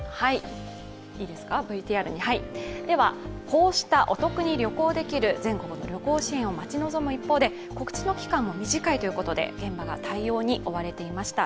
こうしたお得に旅行できる全国の旅行支援を待ち望む一方で、告知の期間も短いということで現場が対応に追われていました。